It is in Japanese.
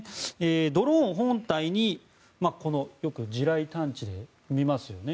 ドローン本体にこれ、よく地雷探知で見ますよね